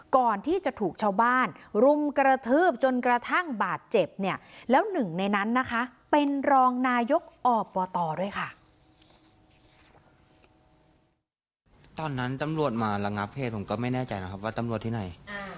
ก่อนที่จะถูกชาวบ้านรุมกระทืบจนกระทั่งบาดเจ็บเนี่ยแล้วหนึ่งในนั้นนะคะเป็นรองนายกอบตด้วยค่ะตอนนั้นตำรวจมาระงับเหตุผมก็ไม่แน่ใจนะครับว่าตำรวจที่ไหน